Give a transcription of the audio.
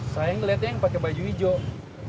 saya ngeliatnya yang pakai baju hijau